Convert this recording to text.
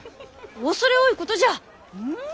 畏れ多いことじゃ！